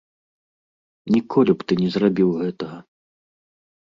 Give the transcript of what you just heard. Ніколі б ты не зрабіў гэтага.